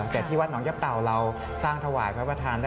แต่ที่วัดหนองยับเต่าเราสร้างถวายพระประธาน